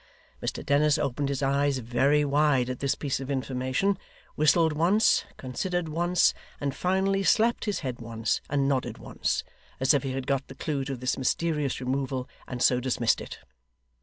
Mr Dennis opened his eyes very wide at this piece of information, whistled once, considered once, and finally slapped his head once and nodded once, as if he had got the clue to this mysterious removal, and so dismissed it.